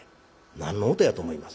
何の音やと思います？